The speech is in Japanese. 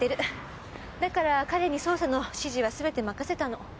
だから彼に捜査の指示はすべて任せたの。